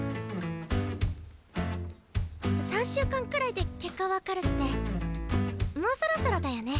３週間くらいで結果分かるってもうそろそろだよね？